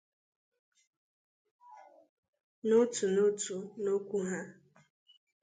N'otu n'otu n'okwu ha